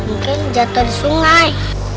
mungkin jatuh di sungai